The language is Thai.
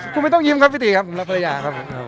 คุณไม่ต้องยิ้มครับพี่ตีครับผมและภรรยาครับ